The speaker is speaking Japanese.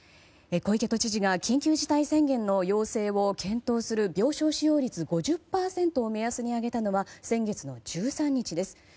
小池都知事が緊急事態宣言の要請を検討する病床使用率５０％を目安に挙げたのは先月の１３日です。